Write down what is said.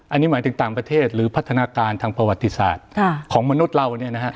อันนี้หมายถึงต่างประเทศหรือพัฒนาการทางประวัติศาสตร์ของมนุษย์เรา